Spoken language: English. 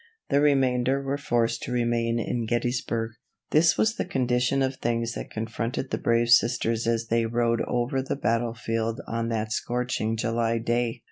The remainder were forced to remain in Gettysburg. This was the condition of things that confronted the brave Sisters as they rode over the battlefield on that scorching July day.